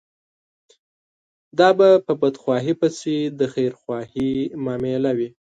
دا به په بدخواهي پسې د خيرخواهي معامله وي.